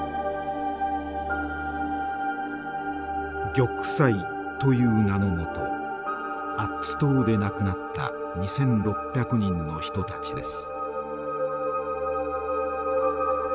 玉砕という名の下アッツ島で亡くなった２，６００人の人たちです。